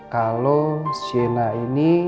kalau siana ini